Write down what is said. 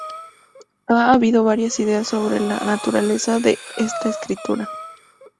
Ha habido varias ideas sobre la naturaleza de esta estructura.